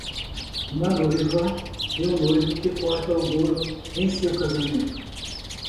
Uma noiva e um noivo que corta o bolo em seu casamento.